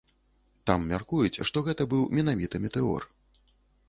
Там мяркуюць, што гэта быў менавіта метэор.